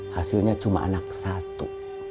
hasilnya cuma anak satu